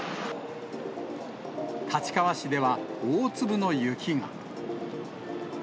立川市では大粒の雪が。